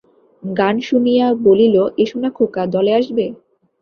গান শুনিয়া বলিল, এসো না খোকা, দলে আসবে?